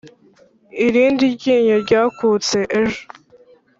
irindi ryinyo ryakutse. ejo